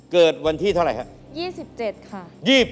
เกิดวันที่เท่าไหร่ครับ